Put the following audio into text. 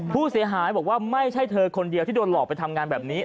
ผู้เสียหายบอกว่าไม่ใช่เธอคนเดียวที่โดนหลอกไปทำงานแบบนี้